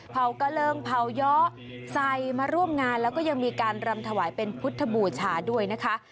กระเริงเผาย้อใส่มาร่วมงานแล้วก็ยังมีการรำถวายเป็นพุทธบูชาด้วยนะคะ